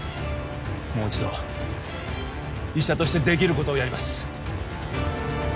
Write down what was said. もう一度医者としてできることをやります